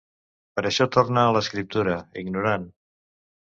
Per això torna a l'escriptura, ignorant.